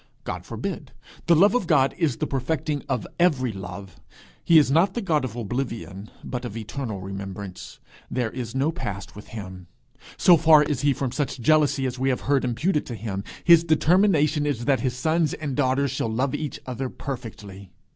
God forbid! The love of God is the perfecting of every love. He is not the God of oblivion, but of eternal remembrance. There is no past with him. So far is he from such jealousy as we have all heard imputed to him, his determination is that his sons and daughters shall love each other perfectly.